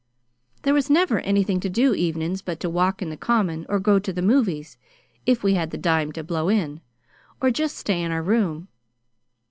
There was never anything to do evenin's but to walk in the Common, or go to the movies, if we had the dime to blow in, or just stay in our room.